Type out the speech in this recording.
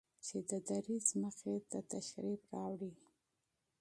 چې د دريځ مخې ته تشریف راوړي